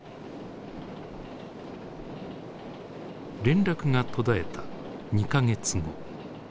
連絡が途絶えた２か月後。